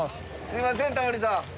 すいませんタモリさん。